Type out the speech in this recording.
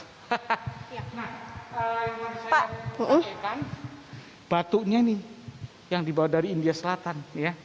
nah yang mana saya mau menunjukkan batunya nih yang dibawa dari india selatan